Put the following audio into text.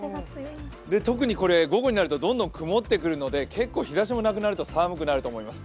特に午後になるとどんどん曇ってくるので結構日ざしもなくなると寒くなると思います。